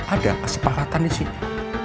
ada kesepakatan isinya